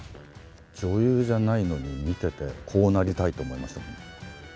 女優じゃないのに見てて、こうなりたいと思いました。